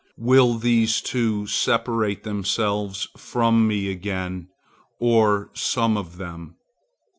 Will these too separate themselves from me again, or some of them?